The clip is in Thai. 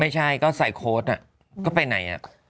ไม่ใช่ก็ใส่โค้ดอ่ะก็ไปไหนอ่ะ